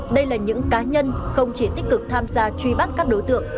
đây là những cá nhân không chỉ tích cực tham gia truy bắt các đối tượng